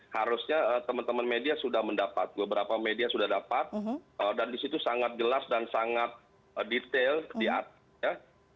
harusnya teman teman media sudah mendapat beberapa media sudah dapat dan disitu sangat jelas dan sangat detail di atas ya